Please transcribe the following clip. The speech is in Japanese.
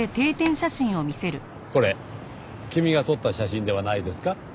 これ君が撮った写真ではないですか？